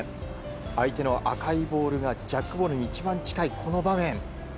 相手の赤いボールがジャックボールに一番近い場面。